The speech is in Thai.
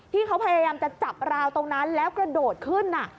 ที่เขาพยายามจะจับราวตรงนั้นแล้วกระโดดขึ้น